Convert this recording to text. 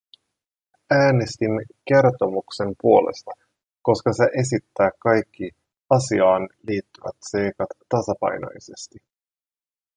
Äänestin kertomuksen puolesta, koska se esittää kaikki asiaan liittyvät seikat tasapainoisesti.